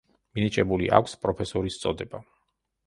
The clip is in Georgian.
მინიჭებული აქვს პროფესორის წოდება.